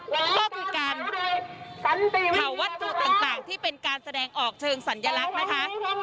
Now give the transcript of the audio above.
แล้วก็มีการเผาวัตถุต่างที่เป็นการแสดงออกเชิงสัญลักษณ์นะคะ